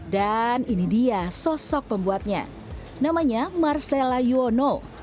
dan ini dia sosok pembuatnya namanya marcella yuono